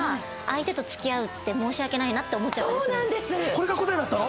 これが答えだったの？